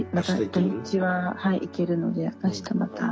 土日は行けるのであしたまた。